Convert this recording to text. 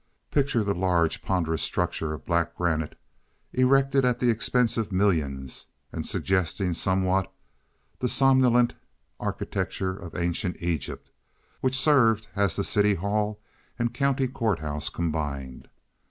Picture the large, ponderous structure of black granite—erected at the expense of millions and suggesting somewhat the somnolent architecture of ancient Egypt—which served as the city hall and county court house combined.